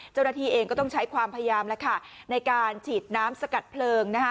เจ้าหน้าที่เองก็ต้องใช้ความพยายามแล้วค่ะในการฉีดน้ำสกัดเพลิงนะคะ